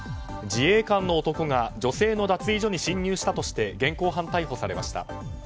自衛官の男が女性の脱衣所に侵入したとして現行犯逮捕されました。